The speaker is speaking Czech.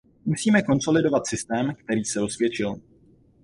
Musíme konsolidovat systém, který se osvědčil.